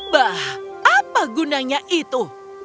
bah apa gunanya itu